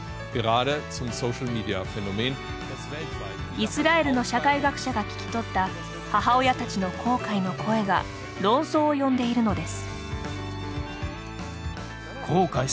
イスラエルの社会学者が聞き取った母親たちの後悔の声が論争を呼んでいるのです。